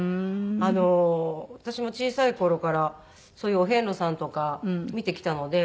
あの私も小さい頃からそういうお遍路さんとか見てきたので。